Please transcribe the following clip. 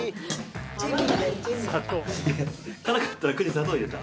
辛かった砂糖入れた？